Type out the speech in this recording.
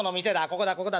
ここだここだ。